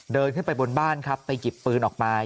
เดินขึ้นไปบนบ้านครับไปหยิบปืนออกมา